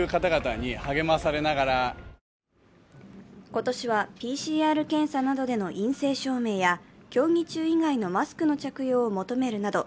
今年はＰＣＲ検査などでの陰性証明や競技中以外のマスクの着用を求めるなど